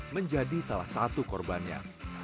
menjadi salah satu korbannya